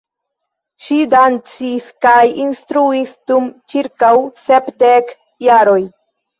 Ŝi dancis kaj instruis dum ĉirkaŭ sepdek jaroj.